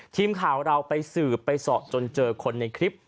ทีมข่าวเราไปสืบไปสอบจนเจอคนในคลิป